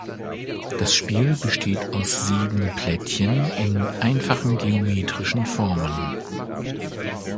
Das Spiel besteht aus sieben Plättchen in einfachen geometrischen Formen.